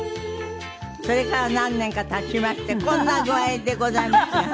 それから何年か経ちましてこんな具合でございますが。